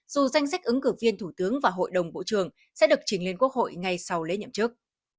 dù danh sách ứng cử viên thủ tướng và hội đồng bộ trưởng sẽ được trình lên quốc hội ngay sau lễ nhậm chức